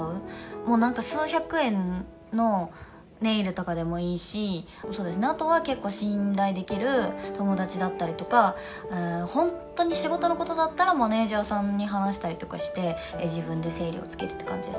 もうなんか数百円のネイルとかでもいいし、そうですね、あとは結構信頼できる友達だったりとか、本当に仕事のことだったら、マネージャーさんに話したりとかして、自分で整理をつけるっていう感じです。